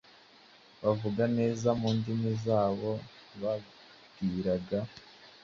bavuga neza mu ndimi z’abo babwiraga.